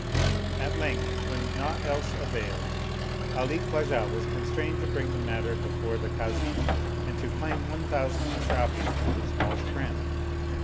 At length, when naught else availed, Ali Khwajah was constrained to bring the matter before the Kazi, and to claim one thousand Ash rafis of his false friend.